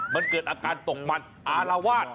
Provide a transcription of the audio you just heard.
มันเกิดอาการตกมันอารวาส